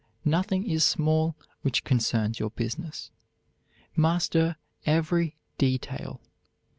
Nothing is small which concerns your business. Master every detail.